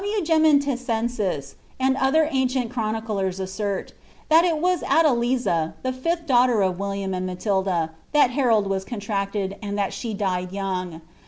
' W. Gcmiticejisis and some other ancient chroniclers assert, that il n< lo Adeliza, the Ghh daughter of William and Matilda, that Hurold wm contracled, and that she died young.